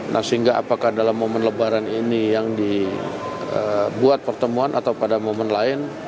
nah sehingga apakah dalam momen lebaran ini yang dibuat pertemuan atau pada momen lain